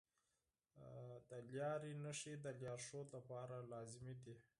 د لارې نښې د لارښود لپاره لازمي دي.